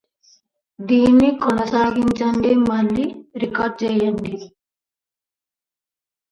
లేమివేళ మిత్రులే ప్రాణమిత్రులు